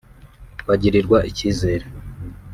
bagirirwa icyizere